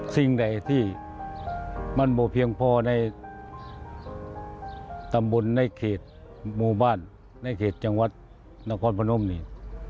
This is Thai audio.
สิ่งใดที่มันไม่เพียงพอในตำบุญในเขตโมบาทในเขตจังหวัดหน้าพอร์ตพนมนี่